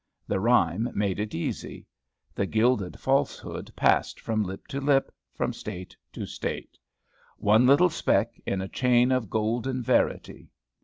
The rhyme made it easy. The gilded falsehood passed from lip to lip, from State to State, one little speck in a chain of golden verity.